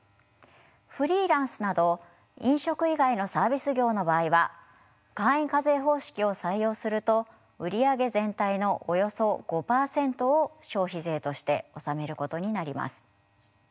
フリーランスなど飲食以外のサービス業の場合は簡易課税方式を採用すると売り上げ全体のおよそ５％を消費税として納めることになります。